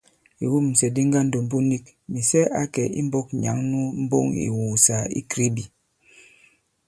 Ìwûmsɛ̀ di ŋgandòmbu nik, Mìsɛ ǎ kɛ̀ imbɔ̄k nyǎŋ nu mboŋ ì ìwùùsàgà i Kribi.